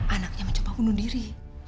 anaknya mencoba bunuh diri